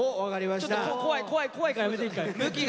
ちょっと怖い怖い怖いからやめて一回。